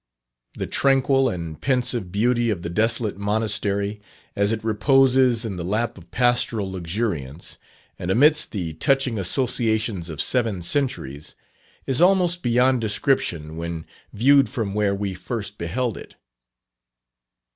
The tranquil and pensive beauty of the desolate Monastery, as it reposes in the lap of pastoral luxuriance, and amidst the touching associations of seven centuries, is almost beyond description when viewed from where we first beheld it.